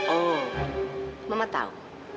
oh mama tahu